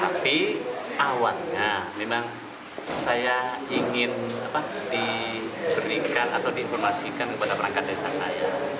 tapi awalnya memang saya ingin diberikan atau diinformasikan kepada perangkat desa saya